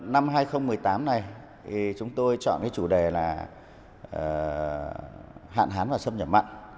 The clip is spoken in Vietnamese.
năm hai nghìn một mươi tám này chúng tôi chọn chủ đề là hạn hán và xâm nhập mặn